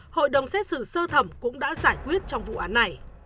hội đồng xét xử sơ thẩm cũng đã giải quyết trong vụ án này